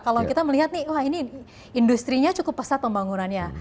kalau kita melihat nih wah ini industri nya cukup pesat pembangunannya